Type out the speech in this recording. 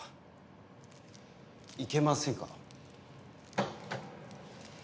いけませんか？